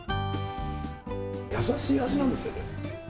やさしい味なんですよね。